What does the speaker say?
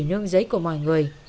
nương giấy của mọi người